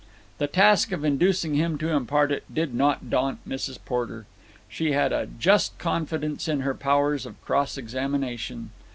The task of inducing him to impart it did not daunt Mrs. Porter. She had a just confidence in her powers of cross examination.